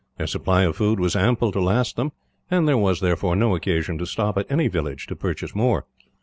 Their supply of food was ample to last them; and there was, therefore, no occasion to stop at any village to purchase more.